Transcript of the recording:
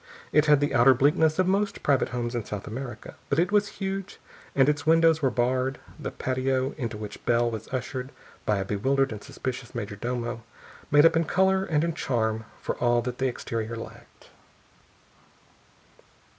It had the outer bleakness of most private homes of South America, but if it was huge and its windows were barred, the patio into which Bell was ushered by a bewildered and suspicious major domo made up in color and in charm for all that the exterior lacked.